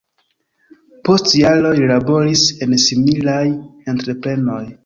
Post jaroj li laboris en similaj entreprenoj.